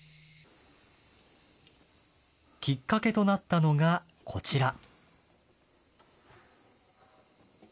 きっかけとなったのがこちら。